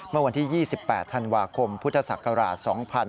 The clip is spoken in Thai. เมื่อวันที่๒๘ธันวาคมพุทธศักราช๒๕๕๙